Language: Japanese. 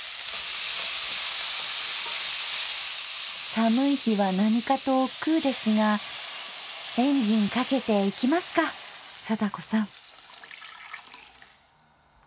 寒い日は何かとおっくうですがエンジンかけていきますか貞子さん？